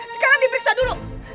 sekarang diperiksa dulu